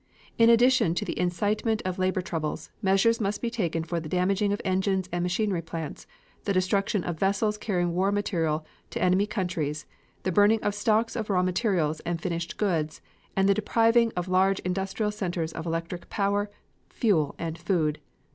In addition to the incitement of labor troubles, measures must be taken for the damaging of engines and machinery plants, the destruction of vessels carrying war material to enemy countries, the burning of stocks of raw materials and finished goods, and the depriving of large industrial centers of electric power, fuel and food.